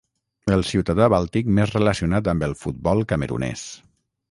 El ciutadà bàltic més relacionat amb el futbol camerunès.